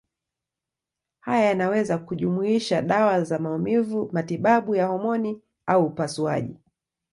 Haya yanaweza kujumuisha dawa za maumivu, matibabu ya homoni au upasuaji.